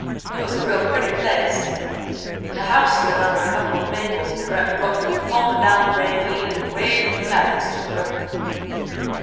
It was a real pretty place; the house stood under a couple of maples and a gret brook come foamin' down the rayvine and away through the medders to the river.